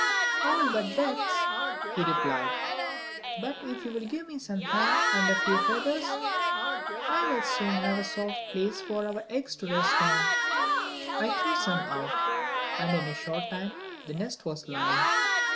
"All but the beds," he replied, "but if you will give me some hair and a few feathers, I will soon have a soft place for our eggs to rest on." I threw some out, and in a short time the nest was lined.